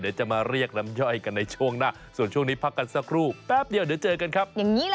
เดี๋ยวจะมาเรียกน้ำย่อยกันในช่วงหน้าส่วนช่วงนี้พักกันสักครู่แป๊บเดียวเดี๋ยวเจอกันครับ